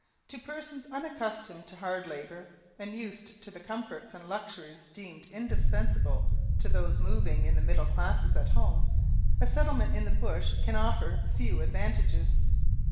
To persons unaccustomed to hard labour, and used to the comforts and luxuries deemed indispensable to those moving in the middle classes at home, a settlement in the bush can offer few advantages.